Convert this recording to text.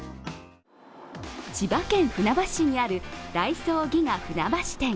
千葉県船橋市にあるダイソーギガ船橋店。